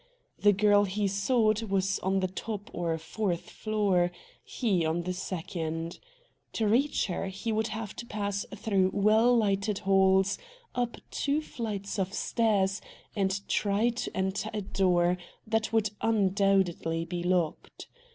The girl he sought was on the top or fourth floor, he on the second. To reach her he would have to pass through Well lighted halls, up two flights Of stairs and try to enter a door that would undoubtedly be locked.